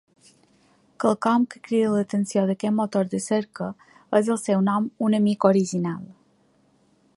Quelcom que crida l'atenció d'aquest motor de cerca és el seu nom una mica original.